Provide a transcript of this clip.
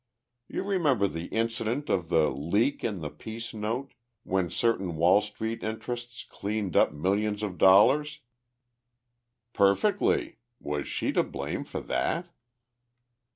You remember the incident of the 'leak' in the peace note, when certain Wall Street interests cleaned up millions of dollars?" "Perfectly. Was she to blame for that?"